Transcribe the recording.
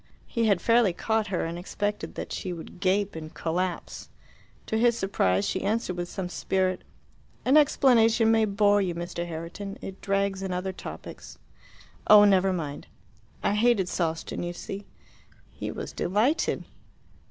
He had fairly caught her, and expected that she would gape and collapse. To his surprise she answered with some spirit, "An explanation may bore you, Mr. Herriton: it drags in other topics." "Oh, never mind." "I hated Sawston, you see." He was delighted.